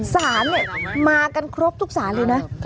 สารเนี่ยมากันครบทุกศาลเลยนะ